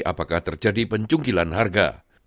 apakah terjadi pencungkilan harga